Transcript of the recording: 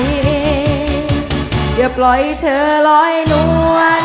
อย่าปล่อยเธอรอให้นวร